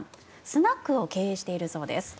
スナックを経営しているそうです。